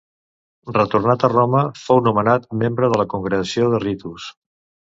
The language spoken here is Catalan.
Retornat a Roma, fou nomenat membre de la Congregació de Ritus.